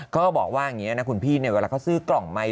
ก็บอกว่าอย่างนี้นะคุณพี่เนี่ยเวลาเขาซื้อกล่องใหม่